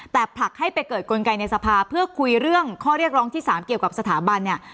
แต่ผลักให้ไปเกิดกลไกในสภาเพื่อคุยเรื่องข้อเรียกร้องที่๓เกี่ยวกับสถาบันเนี่ย